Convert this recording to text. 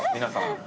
皆さん。